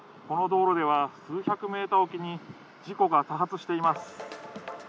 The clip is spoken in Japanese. この道路では数百メートルおきに事故が多発しています。